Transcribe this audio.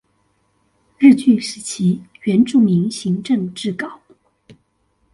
日據時期原住民行政志稿